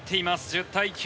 １０対９。